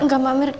gak mbak mir